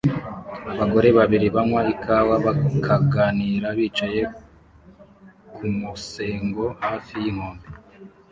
Abagore babiri banywa ikawa bakaganira bicaye ku musego hafi y'inkombe